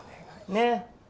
ねえ。